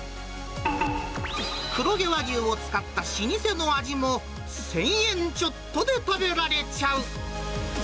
黒毛和牛を使った老舗の味も、１０００円ちょっとで食べられちゃう。